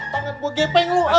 tangan gue gepeng lo